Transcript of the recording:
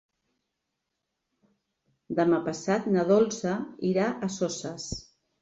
Demà passat na Dolça irà a Soses.